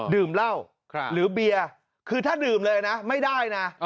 ดื่มเหล้าหรือเบียร์คือถ้าดื่มเลยนะไม่ได้นะ